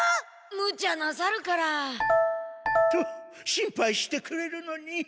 むちゃなさるから。と心配してくれるのに。